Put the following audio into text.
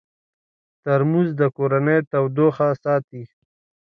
ترموز د کورنۍ تودوخه ساتي.